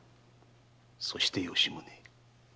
そして吉宗。